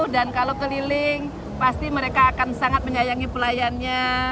dan kalau keliling pasti mereka akan sangat menyayangi pelayannya